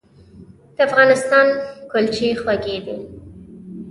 د افغانستان کلچې خوږې دي